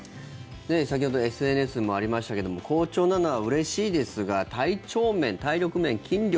先ほどＳＮＳにもありましたけども好調なのはうれしいですが体調面、体力面、筋力。